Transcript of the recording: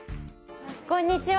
こんにちは。